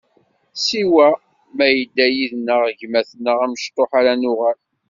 Siwa ma yedda yid-nneɣ gma-tneɣ amecṭuḥ ara nuɣal.